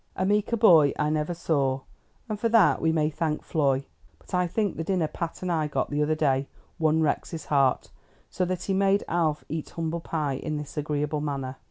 A meeker boy I never saw, and for that we may thank Floy; but I think the dinner Pat and I got the other day won Rex's heart, so that he made Alf eat humble pie in this agreeable manner.